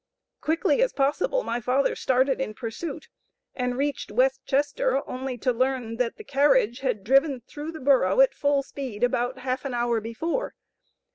Quickly as possible my father started in pursuit, and reached West Chester only to learn that the carriage had driven through the borough at full speed, about half an hour before.